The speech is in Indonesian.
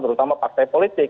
terutama partai politik